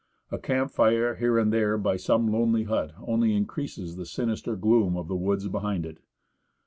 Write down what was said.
A camp fire here and there by some lonely hut only increases the sinister gloom of the woods behind it.